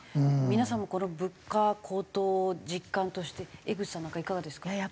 皆さんもこの物価高騰実感として江口さんなんかいかがですか？